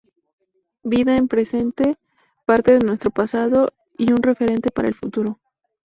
Vida en presente, parte de nuestro pasado y un referente para el futuro.